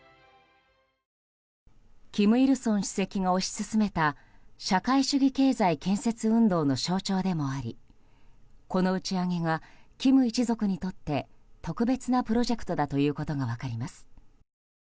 金日成主席が推し進めた社会主義経済建設運動の象徴でもありこの打ち上げが金一族にとって特別なプロジェクトだということが分かります。